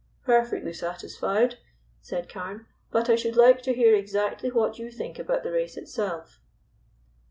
"Perfectly satisfied," said Carne, "but I should like to hear exactly what you think about the race itself."